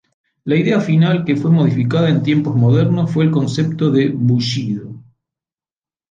La idea final que fue modificada en tiempos modernos fue el concepto de Bushido.